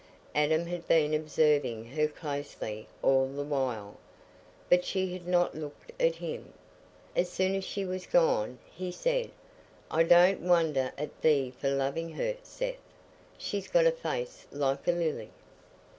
Adam had been observing her closely all the while, but she had not looked at him. As soon as she was gone, he said, "I don't wonder at thee for loving her, Seth. She's got a face like a lily."